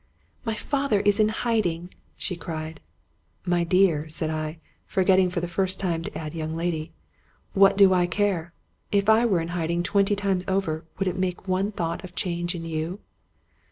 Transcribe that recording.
" My father is in hidingi " she cried. *' My dear," I said, forgetting for the first time to add " young lady," " what do I care? If I were in hiding twenty times over, would it make one thought of change in you?